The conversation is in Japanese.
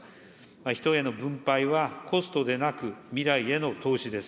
人への分配はコストでなく、未来への投資です。